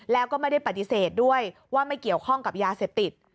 แล้วก็ไม่ได้ปฏิเสธด้วยว่าไม่เกี่ยวข้องกับยาเสพติด